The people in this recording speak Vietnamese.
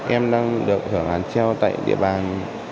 em đang được thưởng hàn treo tại địa bàn